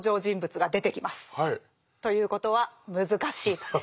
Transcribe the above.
ということは難しいと。